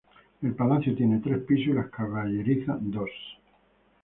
El palacio tiene tres pisos y las caballerizas dos.